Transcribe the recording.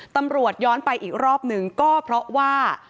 ตำรวจย้อนไปอีกรอบหนึ่งก็เพราะว่า